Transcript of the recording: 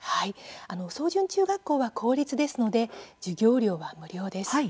草潤中学校は公立ですので授業料は無料です。